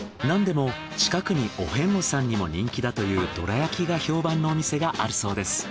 なんでも近くにお遍路さんにも人気だというどら焼きが評判のお店があるそうです。